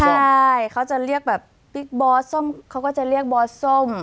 ใช่เขาจะเรียกแบบบิ๊กบอสส้มเขาก็จะเรียกบอสส้ม